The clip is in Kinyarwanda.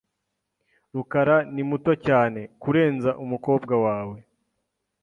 rukara ni muto cyane. kurenza umukobwa wawe .